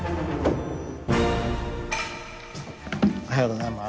おはようございます。